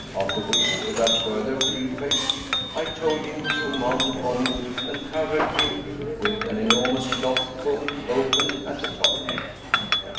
After which, without further preface, I told him to mount upon it, and covered him with an enormous cloth cone, open at the top.